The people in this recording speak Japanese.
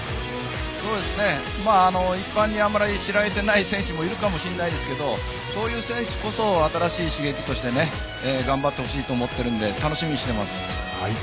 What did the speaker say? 一般にあまりまだ知られていない選手もいるかもしれないですけどそういう選手こそ新しい刺激として頑張ってほしいと思っているので楽しみにしています。